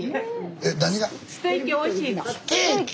えっ何が？